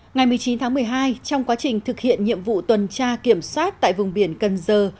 ngày một mươi chín tháng một mươi hai trong quá trình thực hiện nhiệm vụ tuần tra kiểm soát tại vùng biển cần giờ